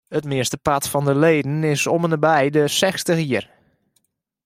It meastepart fan de leden is om ende by de sechstich jier.